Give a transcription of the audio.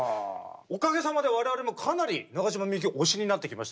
おかげさまで我々もかなり中島みゆき推しになってきましたけど。